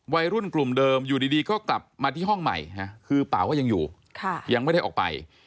วัยรุ่นกลุ่มเดิมอยู่ดีก็กลับมาที่ห้องใหม่คือเป๋าก็ยังอยู่ยังไม่ได้ออกไป